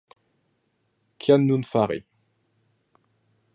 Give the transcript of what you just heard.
Kion nun fari?